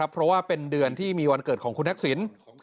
เพราะว่าเป็นเดือนที่มีวันเกิดของคุณทักษิณ